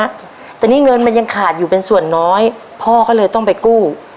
แต่นี่เงินมันยังขาดอยู่เป็นส่วนน้อยพ่อก็เลยต้องไปกู้